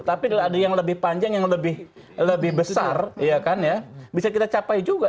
tapi ada yang lebih panjang yang lebih besar bisa kita capai juga